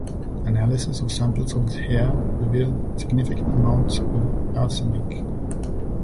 Analysis of samples of his hair revealed significant amounts of arsenic.